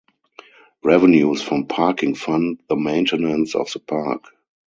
Revenues from parking fund the maintenance of the park.